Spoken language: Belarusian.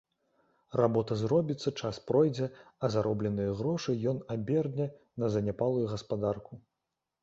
Работа зробіцца, час пройдзе, а заробленыя грошы ён аберне на заняпалую гаспадарку.